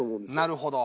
なるほど。